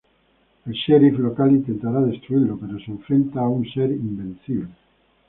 El sheriff local intentará destruirlo, pero se enfrenta a un ser invencible.